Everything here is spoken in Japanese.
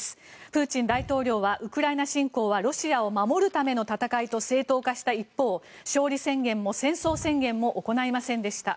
プーチン大統領はウクライナ侵攻はロシアを守るための戦いと正当化した一方勝利宣言も戦争宣言も行いませんでした。